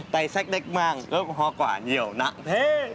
tay sách đách mang góp ho quả nhiều nặng thế